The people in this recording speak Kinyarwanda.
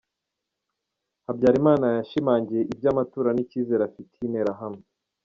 Habyarimana yashimangiye iby’amatora n’icyizere afitiye Interahamwe.